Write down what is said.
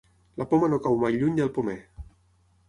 La poma no cau mai lluny del pomer.